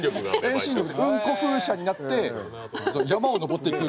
遠心力でうんこ風車になって山を登っていく。